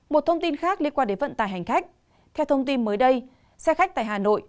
một thông tin khác liên quan đến vận tải hành khách theo thông tin mới đây xe khách tại hà nội